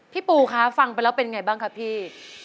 พี่ปูคะฟังไปแล้วเป็นไงบ้างคะพี่